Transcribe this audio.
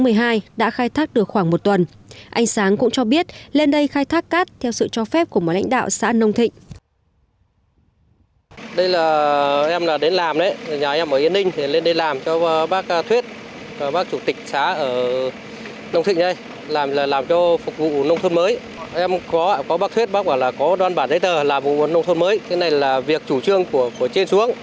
một tuần anh sáng cũng cho biết lên đây khai thác cát theo sự cho phép của một lãnh đạo xã nông thịnh